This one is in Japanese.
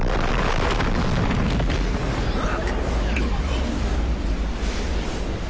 あっ！